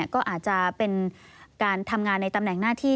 ก็อาจจะเป็นการทำงานในตำแหน่งหน้าที่